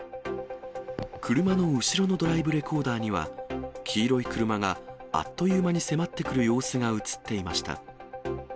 車の後ろのドライブレコーダーには、黄色い車があっという間に迫ってくる様子が写っていました。